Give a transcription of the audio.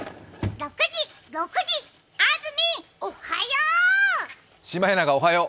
６時、６時、あずみ、おはよう！